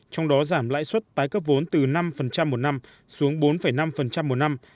trong đó giảm lãi suất tái cấp vốn từ năm một năm xuống bốn năm một năm